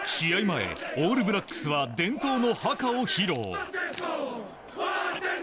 前、オールブラックスは伝統のハカを披露。